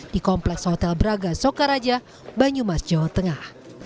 di kompleks hotel braga sokaraja banyumas jawa tengah